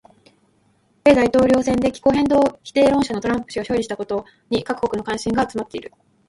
米大統領選で気候変動否定論者のトランプ氏が勝利したことに各国の関心が集まっている。